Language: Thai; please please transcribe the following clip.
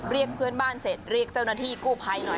เรียกเพื่อนบ้านเสร็จเรียกเจ้าหน้าที่กู้ภัยหน่อย